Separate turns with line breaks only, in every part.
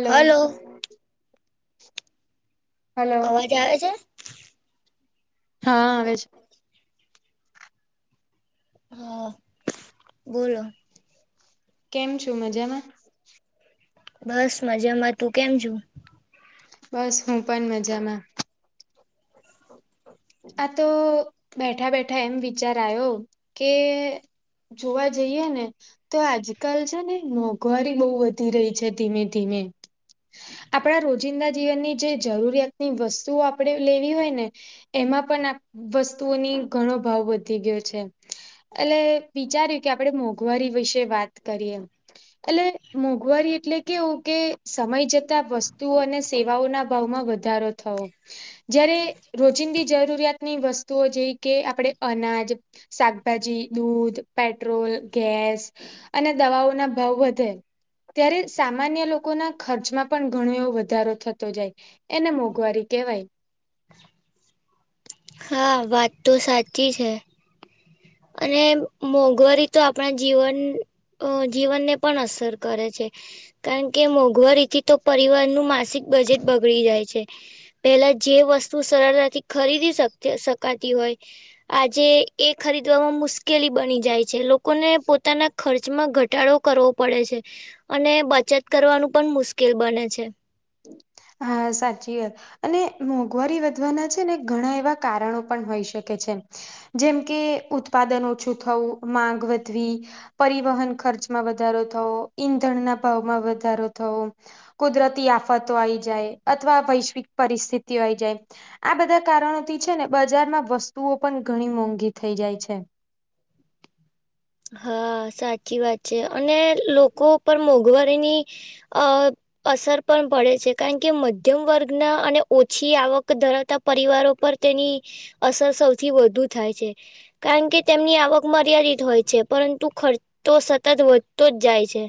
Hello!
Hello
અવાજ આવે છે?
હા, આવે છે.
[inaudible] હા, બોલો.
કેમ છો? મજામા.
બસ મજામાં. તું કેમ છુ?
બસ હું પણ મજામાં. આ તો બેઠા બેઠા એમ વિચાર આયો કે, જોવા જઈએ ને તો આજકાલ છે ને મોંઘવારી બહુ વધી રહી છે, ધીમે ધીમે આપણા રોજિંદા જીવનની જે જરૂરિયાતની વસ્તુઓ આપણે લેવી હોય ને, એમાં પણ આ વસ્તુઓની ઘણો ભાવ વધી ગયો છે, એટલે વિચાર્યું કે આપણે મોંઘવારી વિશે વાત કરીએમ એટલે મોંઘવારી એટલે કેવું કે સમય જતા વસ્તુઓ અને સેવાઓ ના ભાવમાં વધુ વધારો થવો, જ્યારે રોજિંદી જરૂરિયાતની વસ્તુઓ, જે કે આપણે અનાજ શાકભાજી, દૂધ, પેટ્રોલ, ગેસ, અને દવાઓ ના ભાવ વધે. ત્યારે સામાન્ય લોકો ના ખર્ચમાં પણ ઘણો એવો વધારો થતો જાય, એને મોંઘવારી કેવાય.
હા, વાત તો સાચી છે. અને મોંઘવારી તો આપણા જીવન અ જીવનને પણ અસર કરે છે, કારણ કે મોંઘવારીથી તો પરિવાર નું માસિક બજેટ બગડી જાય છે. પેલા જે વસ્તુ સરળતાથી ખરીદીક શકાતી હોય, આજે એ ખરીદ વામાં મુશ્કેલી બની જાય છે, લોકોને પોતાના ખર્ચમાં ઘટાડો કરવો પડે છે. અને બચત કરવાનું પણ મુશ્કેલ બને છે,
હા, સાચી વાત અને મોંઘવારી વધવાના છે ને ઘણા એવા કારણો પણ હોઈ શકે છે. જેમ કે ઉત્પાદન ઓછું થવું માંગ વધવી, પરિવહન ખર્ચમાં વધારો થવો, ઈંધણના ભાવમાં વધારો થવો, કુદરતી આફતો આવીઈ જાય, અથવા વૈશ્વિક પરિસ્થિતિ આ આવી જાય. આ બધા કારણોથી છે ને બજારમાં વસ્તુઓ પણ ઘણી મોંઘી થઈ જાય છે.
હા, સાચી વાત છે અને લોકો પરર મોંઘવારીની અ અસર પણ પડે છે, કારણ કે મધ્યમ વર્ગના અને ઓછી આવક ધરાવતા પરિવારો પર તેની અસર સૌથી વધુ થાય છે, કારણ કે તેમની આવક મર્યા છે પરંતુ ખર્ચ તો સતત વધતો જ જાય છે,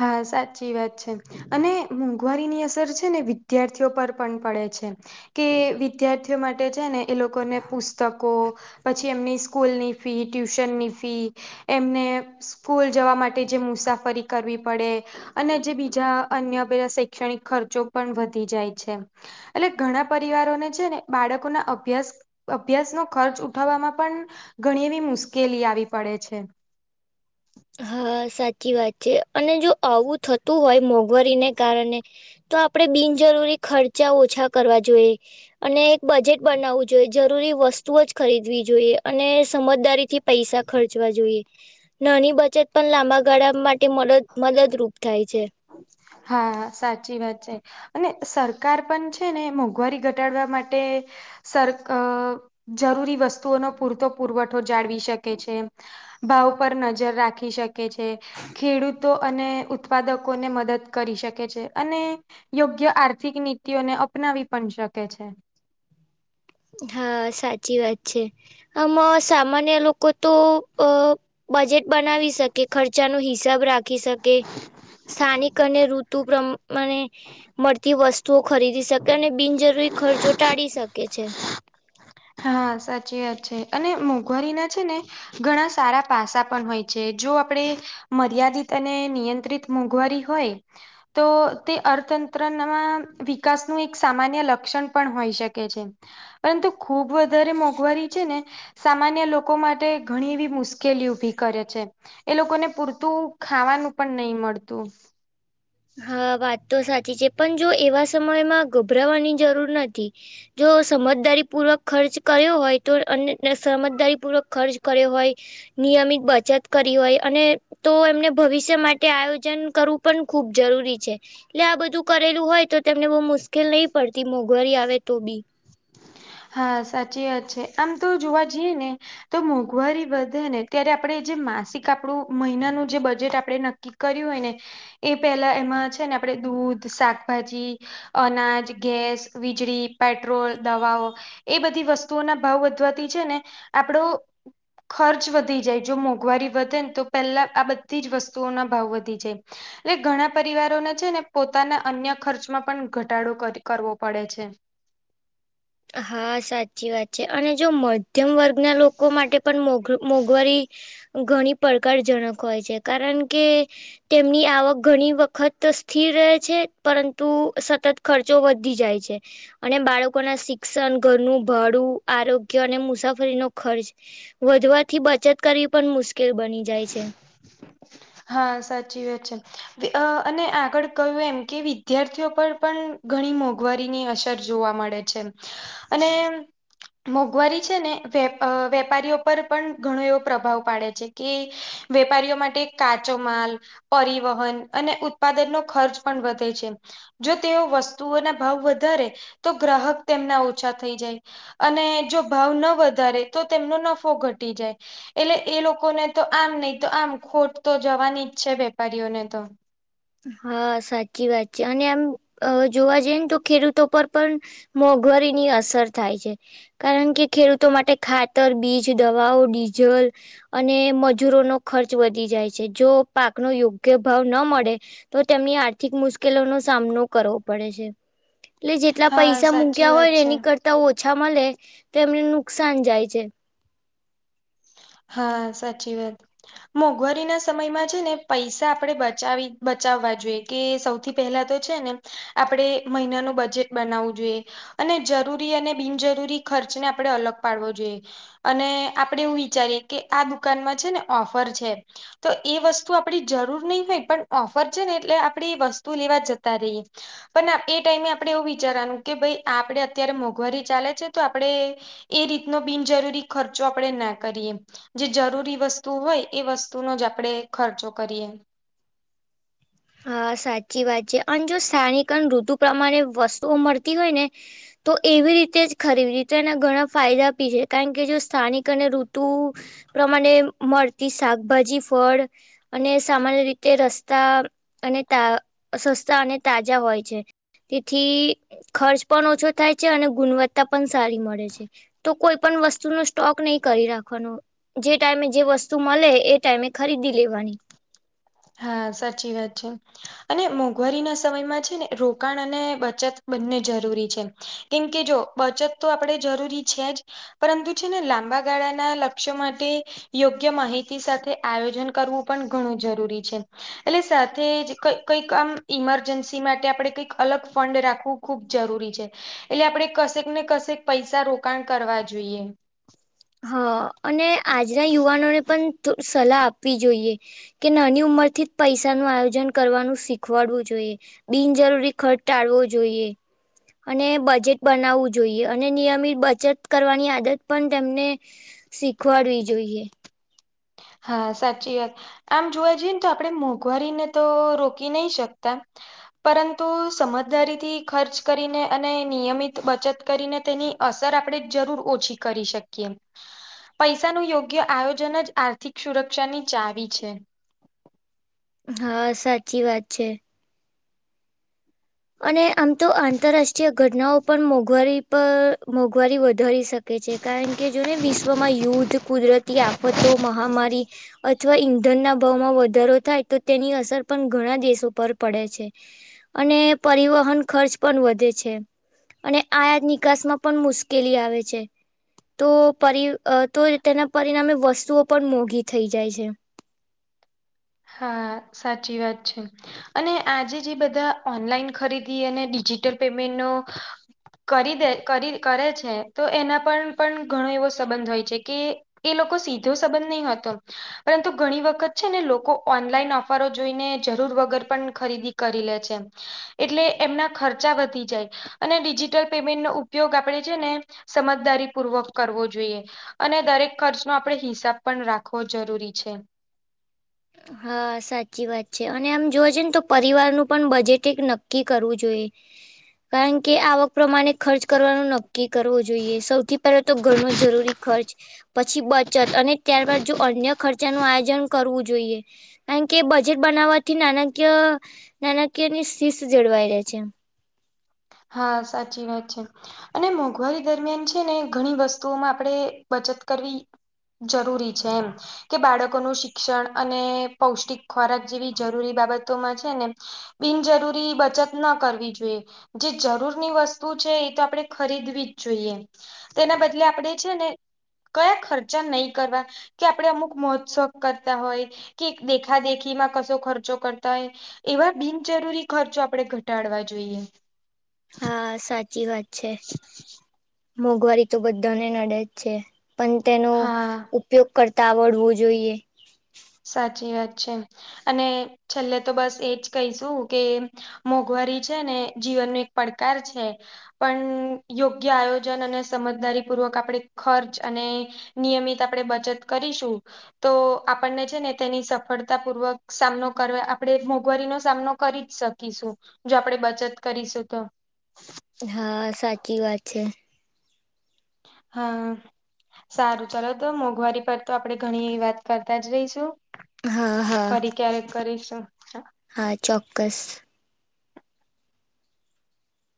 હા સાચી વાત છે. અને મોંઘવારી ની અસર છે ને વિદ્યાર્થીઓ પર પન પડે છે. કે વિદ્યાર્થીઓ માટે છે ને એ લોકોને પુસ્તકો પછી એમની સ્કૂલની ફી ટ્યુશનની ફી એમને સ્કૂલ જવા માટે જે મુસાફરી કરવી પડે અને જે બીજા અન્ય બે શૈક્ષણિક ખર્ચો પન વધી જાય છે. એટલે ઘણા પરિવારોને છે ને બાળકો ના અભ્યાસ અભ્યાસનો ખર્ચ ઉઠાવવામાં પન ઘણી એવી મુશ્કેલી આવી પડે છે.
હા સાચી વાત છે અને જો આવું થતું હોય મોંઘવારીને કારને તો આપણેે બિનજરૂરી ખર્ચા ઓછા કરવા જોઈએ. અને એક બજેટ બનાવવું જોઈએ જરૂરી વસ્તુઓ જ ખરીદવી જોઈએ અને સમજદારીથી પૈસા ખર્ચવા જોઈએ નાની બચત પન લાંબા ગાળા માટે મલદ મદદરૂપ થાય છે.
હા સાચી વાત છે. અને સરકાર પન છે ને મોંઘવારી ઘટાડવા માટે સરક જરૂરી વસ્તુઓનો પૂરતો પુરવઠો જાળવી શકે છે ભાવ પર નજર રાખી શકે છે ખેડૂતો અને ઉત્પાદકોને મદદ કરી શકે છે અને યોગ્ય આર્થિક નીતિઓને અપનાવી પન શકે છે.
હા સાચી વાત છે આમ સામાન્ય લોકો તો અ બજેટ બનાવી શકે ખર્ચા નો હિસાબ રાખી શકે સ્થાનિક અને ઋતુ પ્રમાને મળતી વસ્ત તુ ખરીદી શકે અને બિનજરૂરી ખર્ચો ટાળી શકે છે.
હા સાચી વાત છે. અને મોંઘવારી ના છે ને ઘણા સારા પાસા પન હોય છે. જો આપડે મર્યાદિત અને નિયંત્રિત મોંઘવારી હોય તો તે અર્થતંત્રનમાં વિકાસનું એક સામાન્ય લક્ષન પન હોઈ શકે છે. પરંતુ ખુબ વધારે મોંઘવારી છે ને સામાન્ય લોકો માટે ઘણી એવી મુશ્કેલી ઊભી કરે છે. એ લોકોને પૂરતું ખાવાનું પણ નઈ મળતું.
હા વાત તો સાચી છે. પન જો એવા સમયમાં ગભરાવાની જરૂર નથી. જો સમજદારીપૂર્વક ખર્ચ કર્યો હોય તો અનેને સમજદારીપૂર્વક ખર્ચ કર્યો હોય નિયમિત બચત કરી હોય અને તો એમને ભવિષ્ય માટે આયોજન કરવું પન ખૂબ જરૂરી છે. એટલે આ બધું કરેલું હોય તો તેમને બઉ મુશ્કેલ નહી પડતી મોંઘવારી આવે તો બી.
હા સાચી વાત છે. આમ તો જોવા જઈએ ને તો મોંઘવારી વધે ને ત્યારે આપડે જે માસિક આપડુ મહિનાનું જે બજેટ આપડે નક્કી કર્યું હોય ને એ પેલા એમાં છે ને આપડે દૂધ, શાકભાજી અનાજ, ગેસ, વીજળી, પેટ્રોલ દવાઓ એ બધી વસ્તુઓ ના ભાવ વધવાતી છે ને આપડો ખર્ચ વધી જાય. જો મોંઘવારી વધે ન તો પહેલા આ બધી જ વસ્તુઓના ભાવ વધી જાય. એટલે ઘણા પરિવારોને છે ને પોતાના અન્ય ખર્ચમાં પન ઘટાડો કર કરવો પડે છે.
હા સાચી વાત છે. અને જો મધ્યમ વર્ગના લોકો માટે પન મોઘ મોંઘવારી ઘણી પડકારજનક હોય છે. કારન કે તેમની આવક ઘણી વખત સ્થિર રહે છે. પરંતુ સતત ખર્ચો વધી જાય છે. અને બાળકો ના શિક ક્ષન, ઘરનું ભાડું, આરોગ્ય અને મુસાફરીનો ખર્ચ વધવાથી બચત કરવી પન મુશ્કેલ બની જાય છે.
હા સાચી વાત છે. બે અ અને આગળ કયું એમ કે વિદ્યાર્થીઓ પર પન ઘણી મોંઘવારીની અસર જોવા મળે છે. અને મોંઘવારી છે ને વેપ વેપારીઓ પર પણ ઘણો એવો પ્રભાવ પાડે છે. કે વેપારીઓ માટે કાચો માલ પરિવહન અને ઉત્પાદનનો ખર્ચ પણ વધે છે. જો તેઓ વસ્તુઓના ભાવ વધારે તો ગ્રાહક તેમના ઓછા થઈ જાય. અને જો ભાવ ન વધારે તો તેમનો નફો ઘટી જાય. એટલે એ લોકોને તો આમ નહી તો આમ ખોટ તો જવાની જ છે વેપારીઓને તો.
હા સાચી વાત છે. અને એમ જોવા જઈ ને તો ખેડૂતો પર પણ મોંઘવારીની અસર થાય છે. કારણ કે ખેડૂતો માટે ખાતર, બીજ, દવાઓ, ડીઝલ અને મજૂરોનો ખર્ચ વધી જાય છે. જો પાકનો યોગ મુખ્ય ભાવ ન મળે. તો તેમની આર્થિક મૂશ્કેલો નો સામનો કરવો પડે છે. એટલે જેટલા
હા
પૈસા
સાચી
મૂક્યા હોય
વાત
ને
છે
એની કર તા ઓછા મલે તો એમને નુકસાન જાય છે.
હા સાચી વાત. મોંઘવારી ના સમયમાં છે ને પૈસા આપણેે બચાવી બચાવવા જોઈએ. કે સૌથી પહેલા તો છે ને આપણેે મહિનાનું બજેટ બનાવવું જોઈએ. અને જરૂરી અને બિનજરૂરી ખર્ચને આપડે અલગ પાડવો જોઈએ. અને આપડે એવું જ્યારે કે આ દુકાનમાં છે ને ઓફર છે. તો એ વસ્તુ આપડી જરૂર નહી હોય પણ ઓફર છે ને એટલે આપણે એ વસ્તુ લેવા જતા રહીએ. પણ એ ટાઈમે આપડે એવું વિચારવાનું કે ભાઈ આપણે અત્યારે મોંઘવારી ચાલે છે. તો આપણે એ રીતનો બિનજરૂરી ખર્ચો આપડણે નાખ કરીએ જે જરૂરી વસ્તુ હોય એ વસ્તુનો જ આપણે ખર્ચો કરીએ
હા સાચી વાત છે અને જો સાથાનિકન ઋતુ પ્રમાણે વસ્તુઓ મળતી હોય ને તો એવી રીતે જ ખરીદી ર તો એના ઘણા ફાયદા આપી છે કારણ કે જો સ્થાનિક અને ઋતુ પ્રમાણે મળતી શાકભાજી, ફળ અને સામાન્ય રીતે રસ્તા, અને તા સસ્તા અને તાજા હોય છે. તેથી ખર્ચ પણ ઓછો થાય છે અને ગુણવત્તા પણ સારી મળે છે. તો કોઈ પણ વસ્તુનો સ્ટોક નહી કરી રાખવાનો જે ટાઈમે જે વસ્તુ મળે એ ટાઈમે ખરીદી લેવાની
હા સાચી વાત છે અને મોંઘવારી ના સમયમાં છે ને રોકાણ અને બચત બંને જરૂરી છે. કેમ કે જો બચત તો આપણે જરૂરી છે જ પરંતુ છે ને લાંબા ગાળાના લક્ષ્યો માટે યોગ્ય માહિતી સાથે આયોજન કરવું પણ ઘણું જરૂરી છે. એટલે સાથે જ ક કંઈક આમ ઈમરજન્સી માટે આપણે કંઈક અલગ ફંડ રાખવું ખૂબ જરૂરી છે. એટલે આપણેે કશેક ને કશેક પૈસા રોકાણ કરવા જોઈએ
હા અને આજના યુવાનોને પણ સલાહ આપવી જોઈએ કે નાની ઉંમરથી જ પૈસાનું આયોજન કરવાનું શીખવાડવું જોઈએ બિનજરૂરી ખર્ચ ટાળવો જોઈએ અને બજેટ બનાવવું જોઈએ અને નિયમિત બચત કરવાની આદત પણ તેમને શીખવાડવી જોઈએ
હા સાચી વાત આમ જોવા જઈએ ને તો આપણેે મોંઘવારીને તો રોકી નહી શકતા પરંતુ સમજદારીથી ખર્ચ કરીને અને નિયમિત બચત કરીને તેની અસર આપણે જરૂર ઓછી કરી શકીએ પૈસાનું યોગ્ય આયોજન જ આર્થિક સુરક્ષા ની ચાવી છે.
હા સાચી વાત છે અને આમ તો આંતરરાષ્ટ્રીય ઘટનાઓ પણ મોંઘવારી પર મોંઘવારી વધારી શકે શ છે કારણ કે જોને વિશ્વમાં યુદ્ધ કુદરતી આફતો મહામારી અથવા ઈંધનના ભાવમાં વધારો થાય તો તેની અસર પણ ઘણા દેશો પર પડે છે અને પરિવહન ખર્ચ પણ વધે છે. અને આયા નિકાસમાં પણ મુશ્કેલી આવે છે. તો પરિ તો તેના પરિણામે વસ્તુઓ પણ મોઘી થઈ જાય છે.
હા સાચી વાત છે. અને આજે જે બધા ઓનલાઈન ખરીદી અને ડિજિટલ પેમેન્ટનો કરી દે કરી કરે છે તો એના પર પણ પણ ઘણો એવો સંબંધ હોય છે કે એ લોકો સીધો સંબંધ નહી હતો પરંતુ ઘણી વખત છે ને લોકો ઓનલાઈન ઓફરો જોઈને જરૂર વગર પણ ખરીદી કરી લે છે. એટલે એમના ખર્ચા વધી જાય. અને ડિજિટલ પેમેન્ટ નો ઉપયોગ આપે છે ને સમજદારી પૂર્વક કરવો જોઈએ. અને દરેક ખર્ચ નો આપણે હિસાબ પણ રાખવો જરૂરી છે.
હા સાચી વાત છે અને આમ જોવા જઈ છે ને તો પરિવારનું પણ બજેટ એક નક્કી કરવું જોઈએ. કારણ કે આવક પ્રમાણે ખર્ચ કરવાનું નક્કી કરવો જોઈએ સૌથી પહેલો તો ઘણો જરૂરી ખર્ચ પછી બચત અને ત્યારબાદ જો અન્ય ખર્ચાનું આયોજન કરવું જોઈએ. કારણ કે બજેટ બનાવવાથી નાણાકીય નાણાકીય ની શિસ્ત જળવાઈ રહે છે.
હા સાચી વાત છે. અને મોંઘવારી દરમિયાન છે ને ઘણી વસ્તુઓમાં આપણે બચત કરવી. જરૂરી છે. કે બાળકોનું શિક્ષણ અને પૌષ્ટિક ખોરાક જેવી જરૂરી બાબતોમાં છે ને બિનજરૂરી બચત ના કરવી જોઈએ. જે જરૂરની વસ્તુ છે એ તો આપણે ખરીદવી જ જોઈએ. તેના બદલે આપણેે છે ને કયા ખર્ચા નહી કરવા કે આપણે અમુક મહોત્સવ કરતા હોય કે દેખા દેખીમાં કશો ખર્ચો કરતા હોય. એવા બિનજરૂરી ખર્ચો આપણેે ઘટાડવા જોઈએ.
હા સાચી વાત છે મોંઘવારી તો બધાને નડે જ છે. પણ તેનો
હા
ઉપયોગ કરતા આવડવો જોઈએ.
સાચી વાત છે અને છેલ્લે તો બસ એજ કહીશું કે મોંઘવારી છે ને જીવન ન એક પડકાર છે. પણ યોગ્ય આયોજન અને સમજદારી પૂર્વક આપણે ખર્ચ અને નિયમિત આપણે બચત કરીશું તો આપણને છે ને તેની સફળતા પૂર્વક સામનો કરવા આપણે મોંઘવારીનો સામનો કરી જ શકીશું. જો આપણેે બચત કરીશું તો
હા સાચી વાત છે.
હા. સારું ચાલો તો મોંઘવારી પર તો આપડે ઘણી વાત કરતા જ રહીશું.
હા હા
ફરી ક્યારેક કરીશું. હા
હા ચોક્કસ.